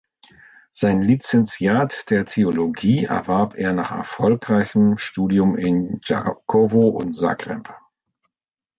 Sein Lizenziat der Theologie erwarb er nach erfolgreichem Studium in Đakovo und Zagreb.